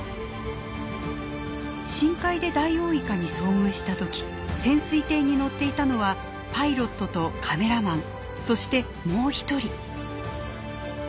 深海でダイオウイカに遭遇した時潜水艇に乗っていたのはパイロットとカメラマンそしてもう一人。